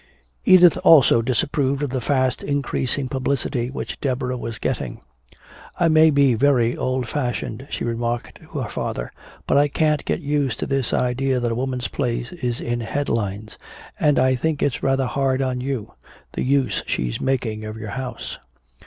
Edith also disapproved of the fast increasing publicity which Deborah was getting. "I may be very old fashioned," she remarked to her father, "but I can't get used to this idea that a woman's place is in headlines. And I think it's rather hard on you the use she's making of your house."